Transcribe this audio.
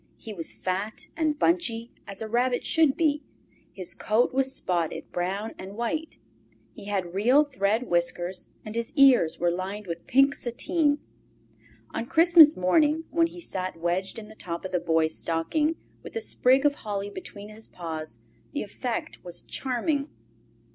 He was fat and bunchy, as a rabbit should be; his coat was spotted brown and white, he had real thread whiskers, and his ears were lined with pink sateen. On Christmas morning, when he sat wedged in the top of the Boy's stocking, with a sprig of holly between his paws, the effect was charming.